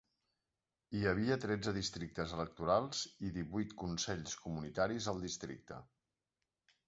Hi havia tretze districtes electorals i divuit consells comunitaris al districte.